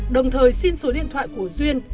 đồng thời xin số điện thoại của duyên